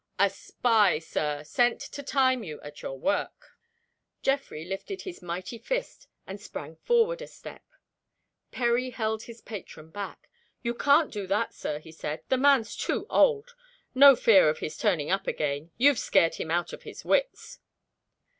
"A spy, Sir sent to time you at your work." Geoffrey lifted his mighty fist, and sprang forward a step. Perry held his patron back. "You can't do that, Sir," he said; "the man's too old. No fear of his turning up again you've scared him out of his wits."